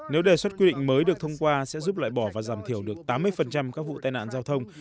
nếu đề xuất quy định mới được thông qua sẽ giúp loại bỏ và giảm thiểu được tám mươi các vụ tai nạn giao thông